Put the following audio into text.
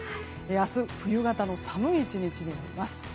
明日、冬型の寒い１日になります。